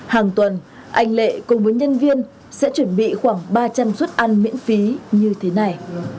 hàng tuần anh lệ cùng với nhân viên sẽ chuẩn bị khoảng ba trăm linh suất ăn miễn phí như thế này